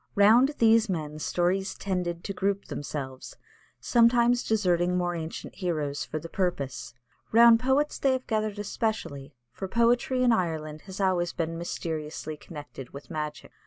Round these men stories tended to group themselves, sometimes deserting more ancient heroes for the purpose. Round poets have they gathered especially, for poetry in Ireland has always been mysteriously connected with magic.